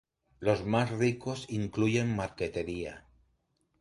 Los más ricos incluyen marquetería.